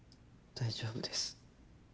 大丈夫です。